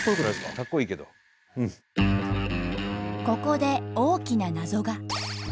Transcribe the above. ここで大きな謎が。